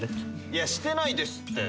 いやしてないですって。